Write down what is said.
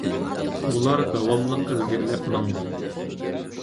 ئۇلار داۋاملىق ئىلگىرىلەپ ماڭدى.